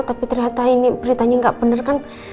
tapi ternyata ini beritanya gak bener kan